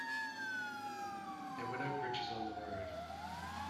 There were no bridges on the road.